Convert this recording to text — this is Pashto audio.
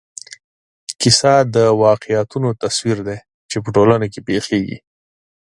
کیسه د واقعیتونو تصویر دی چې په ټولنه کې پېښېږي.